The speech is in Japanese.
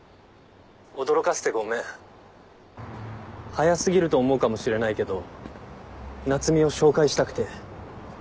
早過ぎると思うかもしれないけど夏海を紹介したくて。